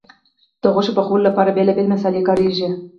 د غوښې پخولو لپاره بیلابیل مسالې کارېږي.